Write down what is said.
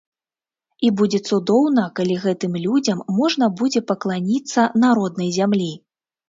І будзе цудоўна, калі гэтым людзям можна будзе пакланіцца на роднай зямлі.